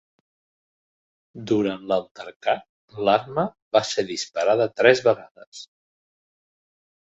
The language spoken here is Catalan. Durant l'altercat, l'arma va ser disparada tres vegades.